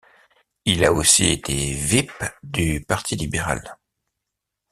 Il a aussi été whip du parti libéral.